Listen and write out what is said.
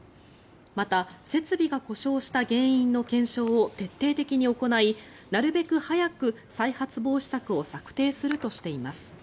また、設備が故障した原因の検証を徹底的に行いなるべく早く、再発防止策を策定するとしています。